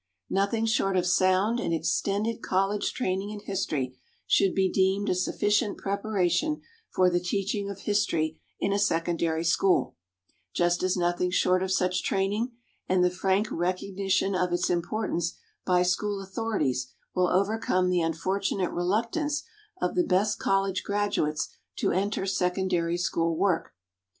Nothing short of sound and extended college training in history should be deemed a sufficient preparation for the teaching of history in a secondary school, just as nothing short of such training, and the frank recognition of its importance by school authorities, will overcome the unfortunate reluctance of the best college graduates to enter secondary school work.